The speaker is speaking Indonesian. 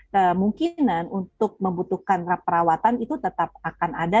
kemungkinan untuk membutuhkan perawatan itu tetap akan ada